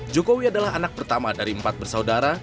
jokowi adalah anak pertama dari empat bersaudara